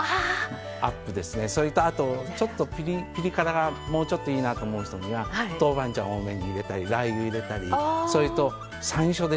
それとあとちょっとピリ辛がもうちょっといいなと思う人には豆板醤多めに入れたりラー油入れたりそれとさんしょですね。